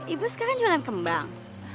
ibu sekarang jualan kembang